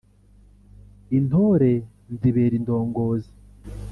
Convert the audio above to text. intore nzibera indongozi.